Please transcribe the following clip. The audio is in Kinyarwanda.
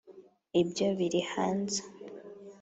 ibyo biri hanze